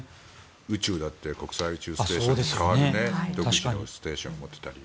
宇宙だって国際宇宙ステーションに代わる独自のステーションを持っていたり。